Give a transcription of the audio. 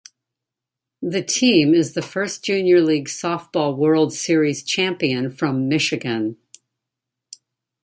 The team is the first Junior League Softball World Series champion from Michigan.